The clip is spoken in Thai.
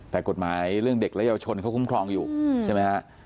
แต่กฎหมายเรื่องเด็กและเยาวชนเขาคุ้มครองอยู่ใช่ไหมฮะ